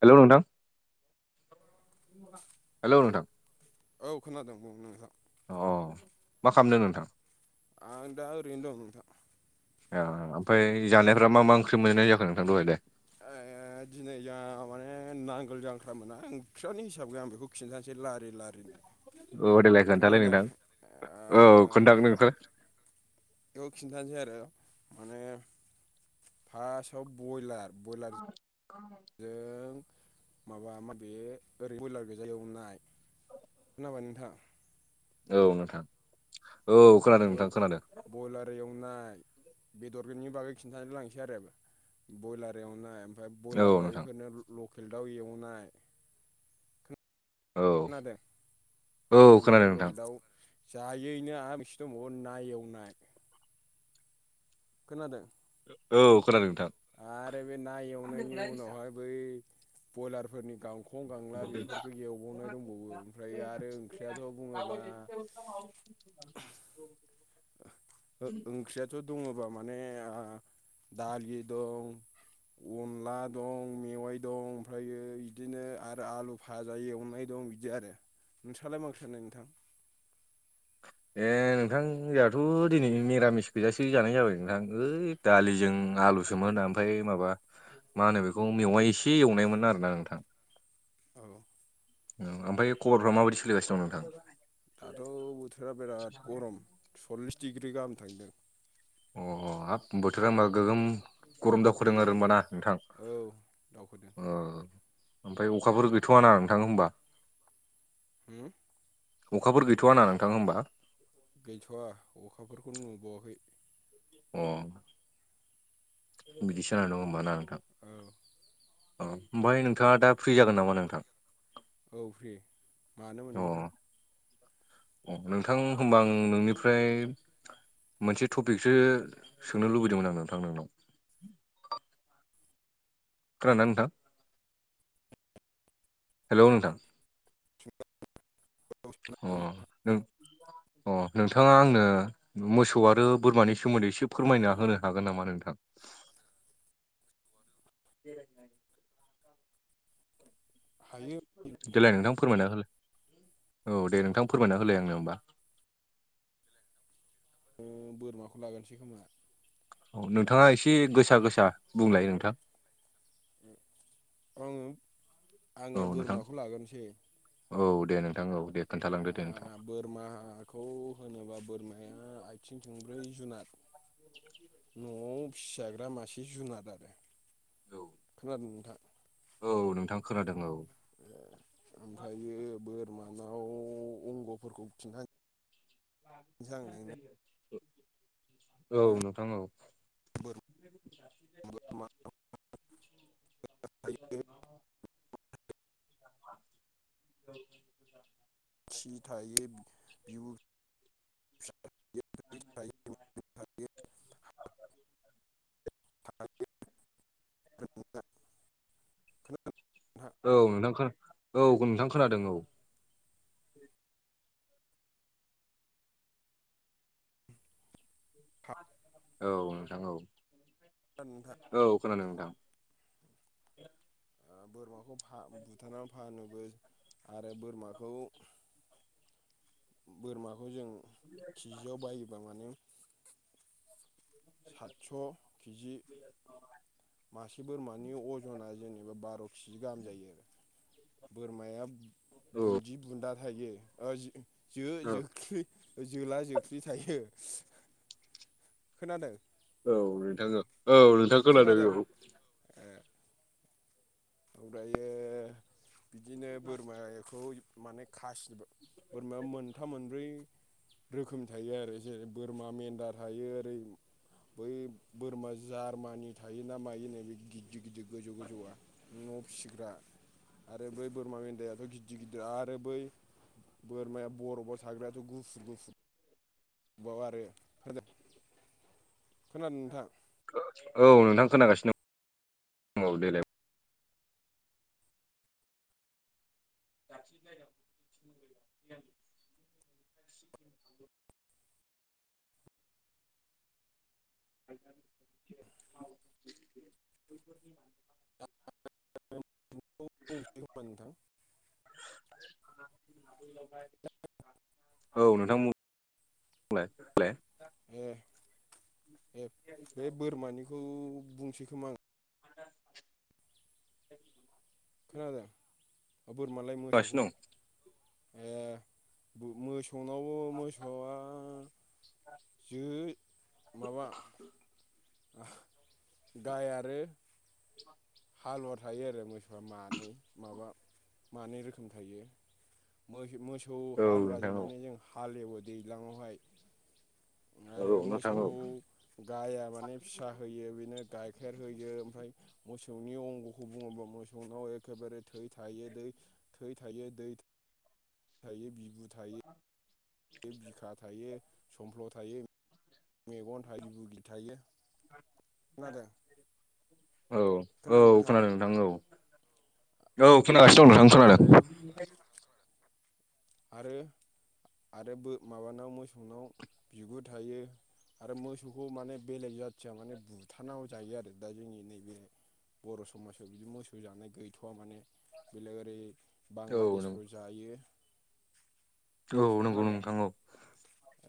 Hello नोंथां hello नोंथां औ खोनादों बुं नोंथां। अ मा खामदो नोंथां। आं दा ओरैनो दं नोंथां। ओ ओमफाय जानायफ्रा मा मा ओंख्रि मोनो जाखो नोंथां दहायलाय? ओ दिनै जाहा माने नांगोल जांख्रा मोनना ओख्रियानो हिसाब गैया आं बेखौ खिन्थानोसै लारि लारिनो। औ देेलाय खोन्थालाय खोनादों नोंथां, ओ औ खोन्थादो नोंथां। बेयाव खिन्थानोसै आरो माने फार्स्टआव बयलार बयलारजो [unintelligible] जों माबा माबे ओरै बयलार गोैजा एवनाय खोनाबाय नोंथां? औ नोंथां औ खोनादों नोंथां खोनादों। बयलार एवनाय बेदरनि बागै खिन्थानो लांसै आरो बयलार एवनाय ओमफ्राय औ बयलार नोंथां जायैफोरनो लकेल दाउ एवनाय औ खोनादों आरो औ ओमफाय खोनादों नोंथां लखेल दाव जायैनो आ मोनसे दंबावो ना एवनाय खोनादों? औ खोनादों नोंथां। आरो बे ना एवनायनि उनावहाय बै बयलारफोरनि गांख खं गांला बेफोरखौ‌ एवबावनाय दंबावो ओमफ्राय आरो ओंख्रियाथ बुङोबा ओ ओंख्रियाथ दङबा माने ओ दालि दं अनला दं, मेवाइ दं ओमफ्रायो बिदिनो आरो आलु भाजा एवनाय दं बिदि आरो नोंसालाय मा ओंख्रि जानाय नोंथां? ए नोंथां जाङाथ दिनै मिरामिस गोजासो जानाय जाबाय नोंथां ओइ दालिजों आलुसोमोन आम फाय माबा मा होनो बेखौ मेवाइ एसे एवनायमोन आरोना नोंथां औ औ ओमफाय खबरफ्रा माबायदि सोलिगासिनो दं नोंथां? दाथ' बोथोरा बिराद गरम सल्लिस डिग्रि गाहाम थांदों। अ हाब बोथोरा ओमबा गोगोम गरम दावखोदों आरो उम होमबा ना नोंथां औ दावखोदों ओमफ्राय अखाफोर गैथ'आ ना नोंथां होमबा? [unintelligible] अखाफोर गैथ'आ ना नोंथां होमबा? गैथ'वा अखाफोरखौनो नुबावाखै अ बिदिसो आरो न ओमबा ना नोंथां? औ औ ओमफाय नोंथाङा दा फ्रि जागोन नामा नोंथां? औ फ्रि मानोमोन अ नोंथां अ नोंथां होमबा आं नोंनिफ्राय मोनसे टफिकसो सोंनो लुबैदोंमोन आं नोंथां नोंनाव खोनादों ना नोंथां हेलौ नोंथां [unintelligible] अ नो अ नोंथाङा आंनो मोसौ आरो बोरमानि सोमोन्दै एसे फोरमायना होनो हागोन नामा नोंथां? बेरायनाय हायो देलाय नोंथां फोरमायना हो औ दे नोंथां फोरमायना होलाय आंनो होमबा ओ बोरमाखौ लागोरनोसै खोमा? औ नोंथाङा एसे गोसा गोसा बुंलाय नोंथां उम आङो औ आङो नोंथां बोरमाखौ लागोरनोसै औ दे नोंथां औ दे आ खोन्थालांदो दे नोंथां बो बोरमाखौ होनोबा बोरमाया आथिं थोंब्रै जुनार [unintelligible] न'आव फिसिजाग्रा मासे जुनाद आरो औ खोनादों नोंथां? औ नोंथां खोनादों औ ओ ओमफ्रायो बोरमानाव अंग'फोरखौ [unintelligible] आं नोंनो औ नोंथां औ बोर [unintelligible] [inaudible] [unintelligible] थिथायो बि [inaudible] औ नोंथां खो औ नोंथां खोनादों औ। औ नोंथां औ ओ औ खोनादों नोंथां ओ बोरमाखौ फा बुथारनानै फानोबो आरो बोरमाखौ बोरमाखौ जों किजियाव बायोबा माने सातस' किजि मासे बोरमानि अजना जेनेबा बार' किजि गाहाम जायो आरो। बोरमाया औ बुन्दि बुन्दा थायो ओ जि जो जोख्लि जोला जोख्लि थायो। खोनादों औ नोंथां औ औ नोंथां खोनादों औ ओ औ दायो बिदिनो बोरमाखौ माने खासिबो बोरमाया मोनथाम मोनब्रै रोखोमनि थायो आरो जेरै बोरमा मेन्दा थायो ओरै बै बोरमा जारमानि थायोना मायोनो बे गिदिर गिदिर गोजौ गोजौआ न'आव फिसिग्रा आरो बै बोरमा मेन्दायाथ' गिदिर गिदिर आरो बै बोरमाया बरफआव थाग्रायाथ' गुफुर गुफुर बाव आरो [unintelligible] खोनादों नोंथां औ नोंथां खोनागासिनो दं देलाय [inaudible] [inaudible] [unintelligible] नोंथां [inaudible] [inaudible] औ नोंथां [inaudible] ए ए बे बोरमानिखौ बुंसै खोमा आं खोनादों अ बोरमालाय मोसौखौ खोनागासिनो ए बो मोसौनावबो मोसौआ जो माबा गाइ आरो हालुवा थायो आरो मोसौआ मानै माबा मानै रोखोम थायो। मोसो-मोसौ दं औ नोंथां हालुवाजों माने जों हालेवो दैज्लाङावहाय औ आरो औ नोंथां मोसौ औ गाया माने फिसा होयो बिनो गाइखेर होयो ओमफाय मोसौनि अंग'खौ बुङोबा मोसौनाव एखेबारे थै थायो दै थै थायो दै थायो बिबु थायो बिखा थायो समफ्ल' थायो मेगन थायो बुगि थायो। खोनादों औ औ खोनादों नोंथां औ। औ खोनागासिनो दं नोंथां खोनादों आरो आरो आरो बो माबानाव मोसौनाव बिगुर थायो आरो मोसौखौ माने बेलेग जाथिया माने बुथारानाबो जायो आरो दा जोंनि नैबे बर' समाजाव बिदि मोसौ जानाय गैथ'वा माने बेलेग ओरै औ नों बांलादेशफोराव जायो। औ नंगौ खोनादों नोंथां औ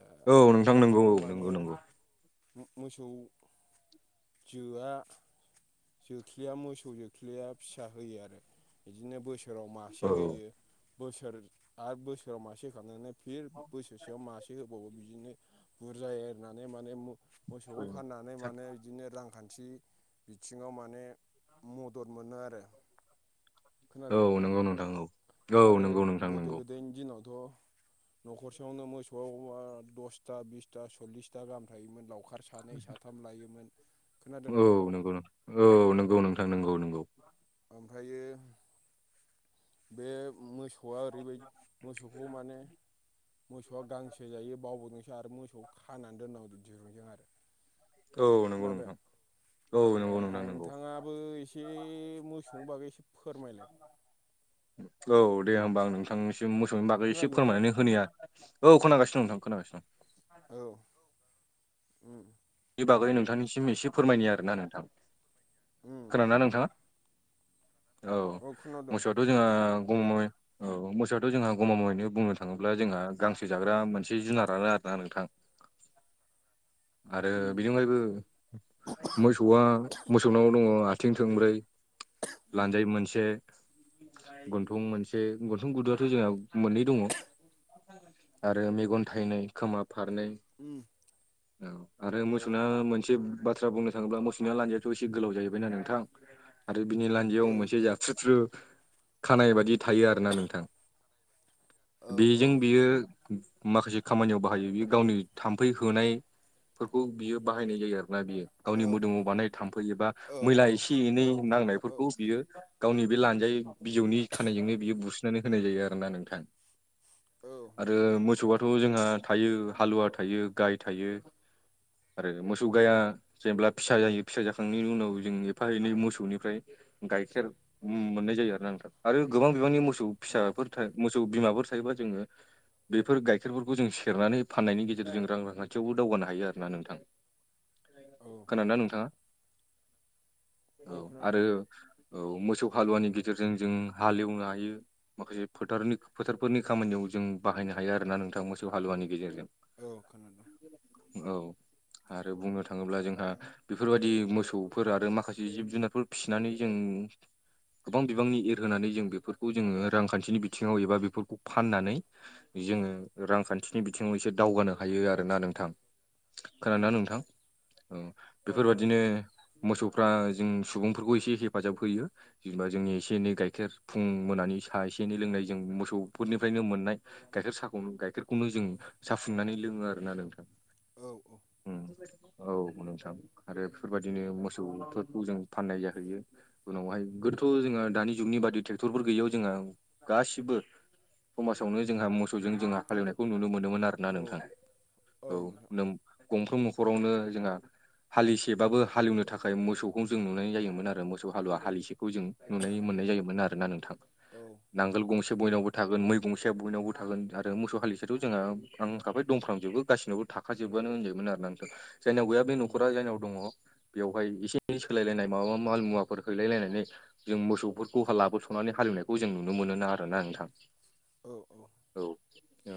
ओ औ नोंथां नंगौ औ मोसौखौ माने नंगौ नंगौ मोसौ जोआ जोख्लिया मोसौ जोख्लिया फिसा होयो आरो। बिदिनो बोसोराव मासे औ होयो। बोसोर आर बोसोराव मासे होखांनानै फिर बोसोरसेयाव मासे होबावो। बिदिनो बुरजाया एरनानै माने मो मोसौखौ फाननानै माने बिदिनो रांखान्थि बिथिङाव माने मदद मोनो आरो। औ खोनादों? औ नंगौ नोंथां औ औ आरो नंगौ नोंथां गोदो नंगौ गोदायनि दिनावथ' न'खरसेयावनो मोसौआ दसथा बिसथा सल्लिसथा गाहाम थायोमोन। लावखार सानै साथाम लायोमोन। खोनादों औ नोंथां नंगौ नोंथां औ नंगौ नोंथां नंगौ नंगौ। ओमफ्रायो बे मोसौ मोसौआ ओरैबायदि मोसौखौ माने मोसौआ गांसो जायो बावबावदोंसो आरो मोसौ खौ खानानै दोननांगौ दिरुंजों आरो। औ नंगौ खोनादों नोंथां औ ओ नंगौ नोंथां नंगौ नोंथाङा बो एसे मोसौनि बागै एसे फोरमायलाय। औ दे होमबा आं नोंथांनिसिम मोसौनि बागै एसे खोनादों नोंथां फोरमायनानै होनि ओरोना। औ खोनासिनो दं नोंथां खोनासिनो दं। औ उम। बे बागै नोंथांनिसिम एसे फोरमायनि आरोना नोंथां। उम खोना नोंथाङा? औ मोसौआथ' जोंहा गमामा औ मोसौआथ' जोंहा गमामैनो बुंनो थाङोब्ला जोंहा गांसो जाग्रा मोनसे जुनारानो आरोना नोंथां। आरो उम बिनि अनगायैबो मोसौआ मोसौनाव दङ आथिं थोंब्रै। लानजाइ मोनसे। गन्थं मोनसे गन्थं गुदुङाथ' जोंहा मोननै दङ। आरो मेगन थाइनै, खोमा फारनै। औ [inaudible] आरो मोसौना मोनसे बाथ्रा बुंनो थाङोब्ला मोसौनिया लान्जायाथ' एसे गोलाव जाहैबायना नोंथां। आरो बिनि औ लान्जायाव मोनसे जाबथ्रुथ्रु खानाय बादि थायो आरोना नोंथां। औ औ बेजों बियो माखासे खामानियाव बाहायो बियो गावनि थाम्फै होनाय फोरखौ बियो बाहायनाय जायो आरोना बियो। गावनि मोदोमाव बानाय थाम्फै एबा औ मैला एसे एनै औ नोंथां नांनायफोरखौ औ बियो गावनि बे लान्जाय बिजौनि खानायजोंनो बियो बुसननानै होनाय जायो आरोोना नोंथां। औ आरो नोंथां मोसौआथ' जोंहा थायो, हालुवा थायो गाय थायो। आरो मोसौ गाया जेनेब्ला फिसा जायो फिसा जाखांनायनि उनाव जों एफा एनै मोसौनिफ्राय गाइखेर मोननाय जायो आरोा नंथां आरो गोबां बिबांनि मोसौ ओं फिसाफोर था मोसौ बिमाफोर थायोबा जोङो बेफोर गाइखेरफोरखौ जों सेरनानै फाननायनि गेजेरजों रां रांखान्थियावबो दावगानो हायो आरो ना नोंथां। औ खोनादोंना नंगौ नोंथाङा? नोंथां औ आरो औ मोसौ हालुवानि गेजेरजों जों हालेवनो हायो। माखासे फोथारनि फोथारफोरनि खामानियाव जों बाहायनो हायो आरोना नोंथाङा मोसौ हालुवानि गेजेरजों। औ खोनादों। औ आरो बुंनो थाङोब्ला जोंहा बेफोरबायदि मोसौफोर आरो माखासे जिब जुनारफोर फिसिनानै जों गोबां बिबांनि एरहोनानै जों बेफोरखौ जोङो रांखान्थिनि बिथिङाव एबा बेफोरखौ फाननानै जोङो रांखान्थिनि बिथिङाव एसे दावगानो हायो आरोना नोंथां। खोनादोंना उम नोंथां? औ औ खोनादों बेफोरबादिनो मोसौफ्रा जों सुबुंफोरखौ एसे हेफाजाब होयो। जेनेबा जोंनि एसे एनै गाइखेर फुं मोनानि साहा एसे एनै लोंनाय जों मोसौफोरनिफ्रायनो मोननाय गाइखेर साखौनो गाइखेरखौनो जों साफुंनानै लोङो आरोना नोंथां। औ औ औ नोंसां आरो बेफोरबायदिनो मोसौफोरखौ जों फाननाय जाहैयो उनावहाय गोदोथ' जोङो दानि जुगनि बादि ट्रेक्टरफोर गैयैयाव जोंहा गासिबो समाजावनो जोंहा मोसौजों जोंहा हालिवनायखौ नुनो मोनोमोन आरोना नोंथां औ औ गंफ्रोम न'खरावनो जोंहा हालिसेबाबो हालेवनो थाखाय मोसौखौ जों नुनानै जायोमोन आरो मोसौ हालुवा हालिसेखौ जों नुनाय मोननाय जायोमोन आरो ना नोंथां औ नांगोल उम गंसे बयनावबो थागोन मैगंसेाया बयनावबो थागोन आरो मोसौ हालिसेथ' जोंहा आं होखाबाय दंफ्र्लामजोबो गासिनावबो थागोन खाजोबबानो होनजायोमोन आरोना नोंथां। जायनाव गैया बे औ नखरा जायनाव दङ बेवहाय एसे एनै सोलायलायनाय माबा माल मुवाफोर हैलायलायनानै जों मोसौफोरखौ लाबोस'नानै हाललिवनायखौ जों नुनो मोनोना आरोना नोंथां औ औ औ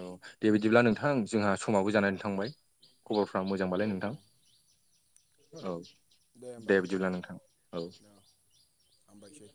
औ दे बिदिब्ला नोंथां जोंहा समाबो जानानै थांबाय खबरफ्रा औ मोजांबालाय औ नोंथां औ दे बिदिब्ला नोंथां औ हामबायसै